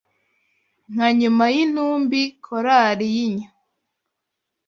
Nka nyuma yintumbi korari yinyo